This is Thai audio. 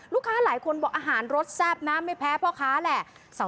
ลูกค้าหลายคนบอกอาหารรสแซ่บนะไม่แพ้พ่อค้าแหละ